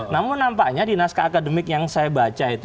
namun nampaknya di naskah akademik yang saya baca itu